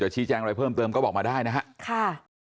ชี้แจงอะไรเพิ่มเติมก็บอกมาได้นะครับ